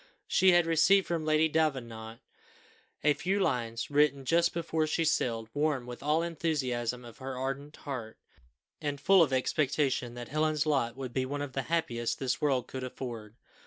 She had received from Lady Davenant a few lines, written just before she sailed, warm with all the enthusiasm of her ardent heart, and full of expectation that Helen's lot would be one of the happiest this world could afford.